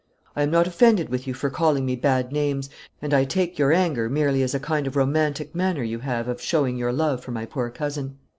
I am not offended with you for calling me bad names, and I take your anger merely as a kind of romantic manner you have of showing your love for my poor cousin.